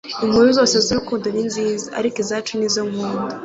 inkuru zose z'urukundo ni nziza, ariko izacu ni zo nkunda